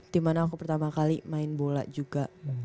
dimana aku pertama kali main bola juga